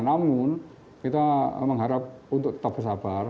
namun kita mengharap untuk tetap bersabar